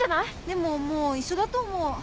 でももう一緒だと思う。